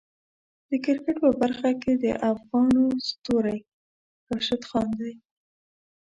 د کرکټ په برخه کې د افغانو ستوری راشد خان دی.